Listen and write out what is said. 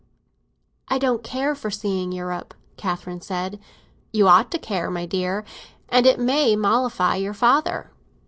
"I don't care for seeing Europe," Catherine said. "You ought to care, my dear. And it may mollify your father."